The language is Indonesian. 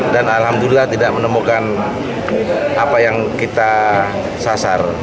dan alhamdulillah tidak menemukan apa yang kita sasar